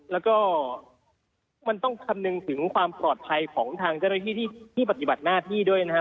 แล้วก็มันต้องคำนึงถึงความปลอดภัยของทางเจ้าหน้าที่ที่ปฏิบัติหน้าที่ด้วยนะฮะ